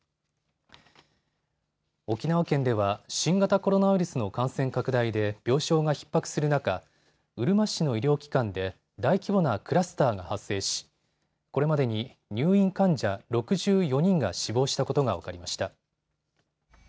沖縄県では新型コロナウイルスの感染拡大で病床がひっ迫する中、うるま市の医療機関で大規模なクラスターが発生し、これまでに入院患者６４人が死亡したことが分かりました。